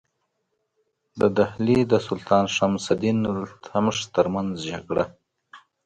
د ډهلي د سلطان شمس الدین التمش ترمنځ جګړه.